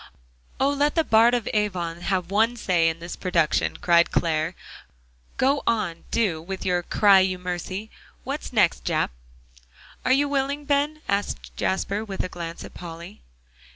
"Oh! let the Bard of Avon have one say in this production," cried Clare. "Go on, do, with your 'cry you mercy.' What's next, Jap?" "Are you willing, Ben?" asked Jasper, with a glance at Polly.